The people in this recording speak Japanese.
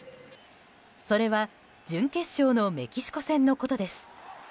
それは準決勝のメキシコ戦のことです。